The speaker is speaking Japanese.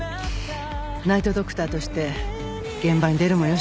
ナイト・ドクターとして現場に出るもよし